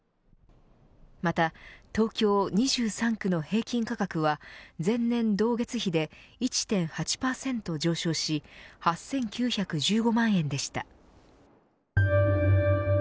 また、東京２３区の平均価格は前年同月比で１．８％上昇し８９１５万円でした。